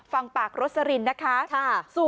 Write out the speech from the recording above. ฟังปากรสลินนะคะ